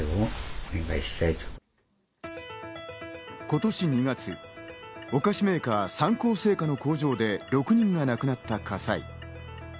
今年２月、お菓子メーカー・三幸製菓の工場で６人が亡くなった火災。